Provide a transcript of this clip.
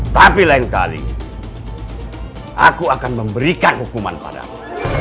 tapi lain kali aku akan memberikan hukuman padamu